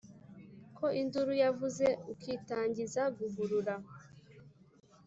Ko induru yavuze ukitangiza guhurura